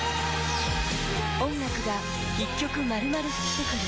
音楽が１曲まるまる降ってくる。